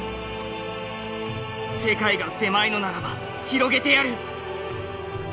「世界が狭いのならば広げてやる」。